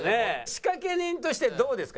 仕掛け人としてどうですか？